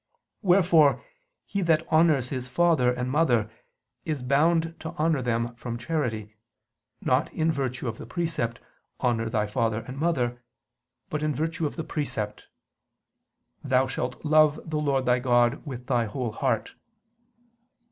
Wherefore he that honors his father and mother, is bound to honor them from charity, not in virtue of the precept, "Honor thy father and mother," but in virtue of the precept, "Thou shalt love the Lord thy God with thy whole heart."